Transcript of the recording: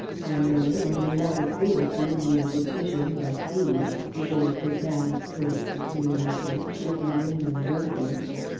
I may, or may not agree with you in your decision that these" he waved his hand towards the two Images "should remain unbroken.